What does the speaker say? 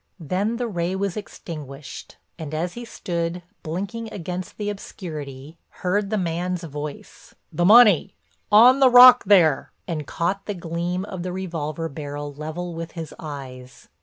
Then the ray was extinguished, and as he stood, blinking against the obscurity, heard the man's voice, "The money—on the rock there," and caught the gleam of the revolver barrel level with his eyes.